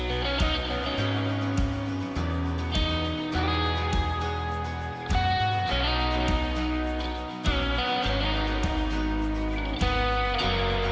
meskipun tidak semuanya